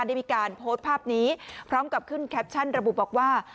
ได้มีการโพสต์ภาพนี้พร้อมกับขึ้นแคปชั่นระบุบอกว่า